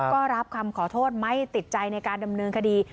ก็รับคำขอโทษไม่ติดใจในการดำเนินคดี